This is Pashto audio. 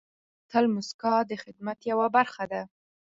تل موسکا د خدمت یوه برخه ده.